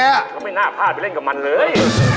เขาไม่น่าพลาดไปเล่นกับมันเลย